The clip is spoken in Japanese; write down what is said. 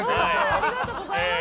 ありがとうございます。